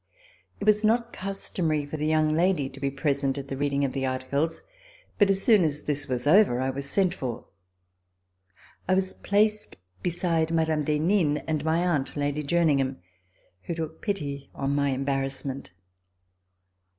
It was not customary for the young lady to be present at the reading of the articles, but as soon as this was over, I was sent for. I was placed beside Mme. d'Henin and my aunt Lady Jerningham, who took pity on m.y embarrassment.